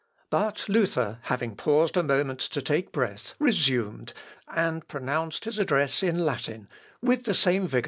But Luther, having paused a moment to take breath, resumed, and pronounced his address in Latin, with the same vigour as at first.